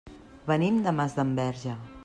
Venim de Masdenverge.